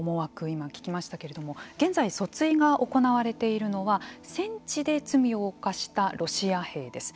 今聞きましたけれども現在、訴追が行われているのは戦地で罪を犯したロシア兵です。